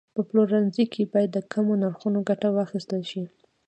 په پلورنځي کې باید د کمو نرخونو ګټه واخیستل شي.